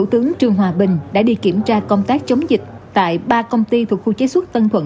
phó thủ tướng triều hòa bình đã đi kiểm tra công tác chống dịch tại ba công ty thuộc khu chế xuất tân thuận